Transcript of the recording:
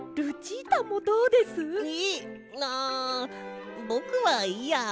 あぼくはいいや。